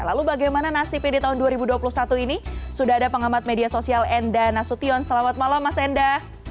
lalu bagaimana nasibnya di tahun dua ribu dua puluh satu ini sudah ada pengamat media sosial enda nasution selamat malam mas enda